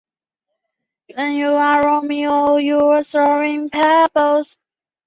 新巴比伦王国国王那波帕拉萨尔派其子尼布甲尼撒二世率领联军进攻亚述的残余势力。